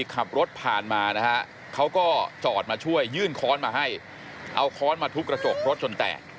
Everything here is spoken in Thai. เขาก็จอดมาช่วยยื่นค้อนมาให้เอาค้อนมาทุบกระจกรถจนแตก